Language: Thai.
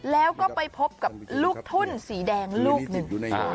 แล้วก็ไปพบกับลูกทุ่นสีแดงลูกหนึ่ง